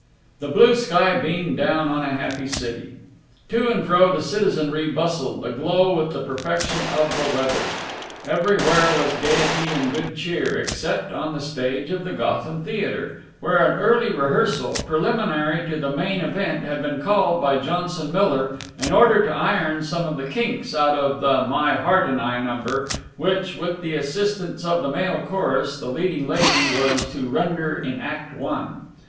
The blue sky beamed down on a happy city. To and fro the citizenry bustled, aglow with the perfection of the weather. Everywhere was gaiety and good cheer, except on the stage of the Gotham Theatre, where an early rehearsal, preliminary to the main event, had been called by Johnson Miller in order to iron some of the kinks out of the "My Heart and I" number, which, with the assistance of the male chorus, the leading lady was to render in Act One.